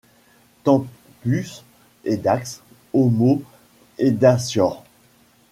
Tempus edax, homo edacior.